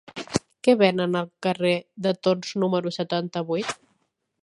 Què venen al carrer de Torns número setanta-vuit?